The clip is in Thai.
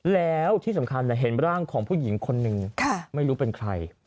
แล้วที่สำคัญเห็นร่างของผู้หญิงคนหนึ่งไม่รู้เป็นใคร